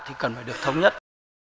thì cần phải được thống nhất